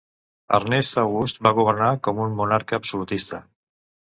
Ernest August va governar com un monarca absolutista.